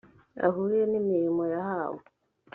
ahuriye n imirimo yahawe